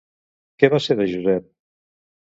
Què va ser de Josep?